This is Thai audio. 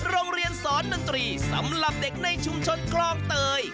โรงเรียนสอนดนตรีสำหรับเด็กในชุมชนคลองเตย